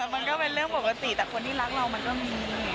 มันก็เป็นเรื่องปกติแต่คนที่รักเรามันก็มี